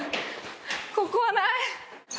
ここはない。